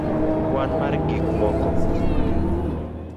kwan mar gik moko